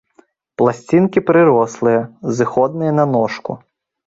Пласцінкі прырослыя, зыходныя на ножку.